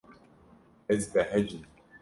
Ez behecîm.